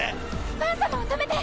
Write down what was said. バン様を止めて！